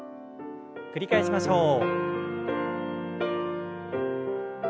繰り返しましょう。